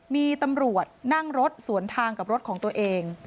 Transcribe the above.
มีตำรวจนั่งรถสวนทางกับรถของตัวเอง